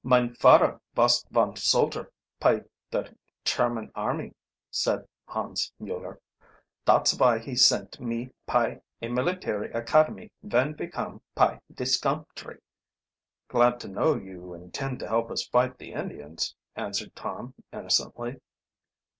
"Mine fadder vos von soldier py der Cherman army," said Hans Mueller. "Dot's vy he sent me py a military academy ven we come py dis country." "Glad to know you intend to help us fight the Indians," answered Tom innocently.